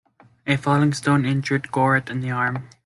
A falling stone injured Gorret in the arm.